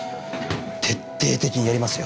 徹底的にやりますよ。